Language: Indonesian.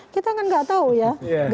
kita kan gak tau ya